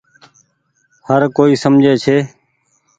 هر ڪوئي سمجهي ڇي۔